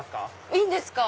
いいんですか？